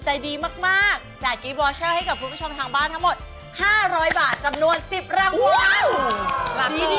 ให้กับคุณผู้ชมทางบ้านทั้งหมด๕๐๐บาทจำนวน๑๐รางวัล